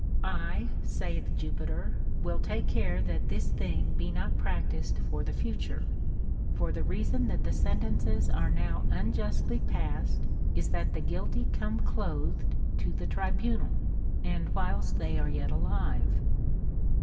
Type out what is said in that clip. I, saith Jupiter, will take care that this thing be not practised for the future ; for the reason that the sentences are now unjustly passed is that the guilty come vor. r. ^" 33S CONSOLATION TO ArOLLONIUS. clothed to the tribunal, and whilst they are yet alive.